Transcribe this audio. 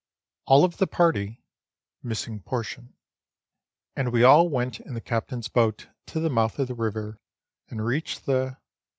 All of the party and we all went in the Captain's boat to the mouth of the river, and reached the